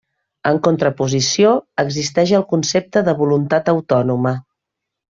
En contraposició existeix el concepte de voluntat autònoma.